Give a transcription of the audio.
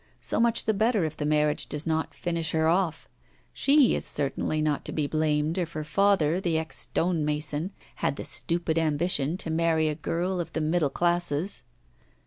So much the better if the marriage does not finish her off. She is certainly not to be blamed, if her father, the ex stonemason, had the stupid ambition to marry a girl of the middle classes.